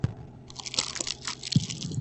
نړۍوال جام په هرو څلور کاله کښي کیږي.